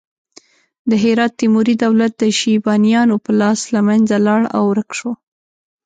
د هرات تیموري دولت د شیبانیانو په لاس له منځه لاړ او ورک شو.